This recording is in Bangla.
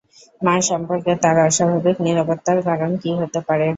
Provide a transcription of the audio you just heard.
মা সম্পর্কে তার অস্বাভাবিক নীরবতার কারণ কী হতে পারে?